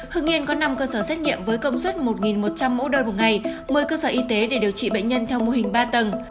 hưng yên có năm cơ sở xét nghiệm với công suất một một trăm linh mẫu đơn một ngày một mươi cơ sở y tế để điều trị bệnh nhân theo mô hình ba tầng